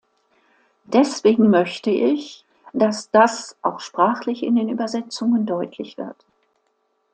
Deswegen möchte ich, dass das auch sprachlich in den Übersetzungen deutlich wird.